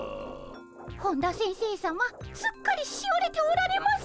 本田先生さますっかりしおれておられます。